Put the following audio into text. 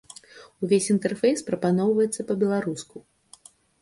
Увесь інтэрфейс прапаноўваецца па-беларуску.